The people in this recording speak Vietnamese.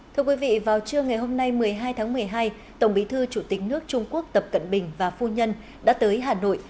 thưa quý vị vào trưa ngày hôm nay một mươi hai tháng một mươi hai tổng bí thư chủ tịch nước trung quốc tập cận bình và phu nhân đã tới hà nội